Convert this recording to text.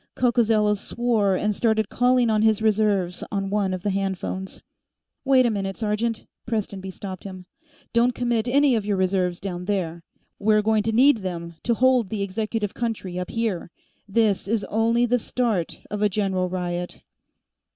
Coccozello swore and started calling on his reserves on one of the handphones. "Wait a moment, sergeant," Prestonby stopped him. "Don't commit any of your reserves down there. We're going to need them to hold the executive country, up here. This is only the start of a general riot."